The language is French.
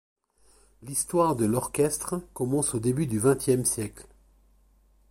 L’histoire de l’orchestre commence au début du vingtième siècle.